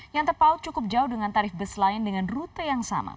yang terpaut cukup jauh dengan tarif bus lain dengan rute yang sama